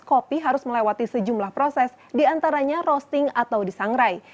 kopi harus melewati sejumlah proses diantaranya roasting atau disangrai